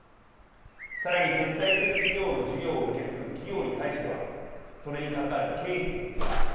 さらに撤退する企業の事業を受け継ぐ企業に対してはそれにかかる経費も負担。